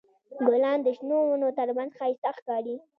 ګلان د شنو ونو تر منځ ښایسته ښکاري.